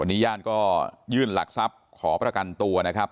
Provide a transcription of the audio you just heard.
วันนี้ญาติก็ยื่นหลักทรัพย์ขอประกันตัวนะครับ